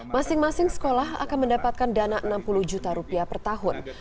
masing masing sekolah akan mendapatkan dana enam puluh juta rupiah per tahun